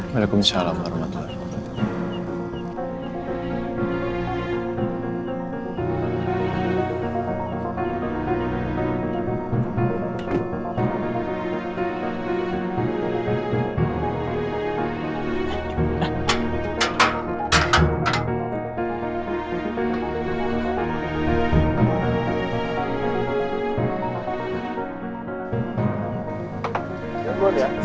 waalaikumsalam warahmatullahi wabarakatuh